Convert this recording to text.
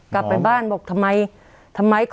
กลับไปบ้านบอกทำไม